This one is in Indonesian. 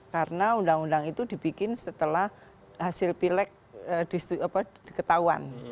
karena undang undang itu dibikin setelah hasil pilek diketahuan